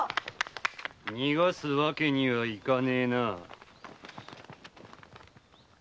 逃がすわけにはいかねえな。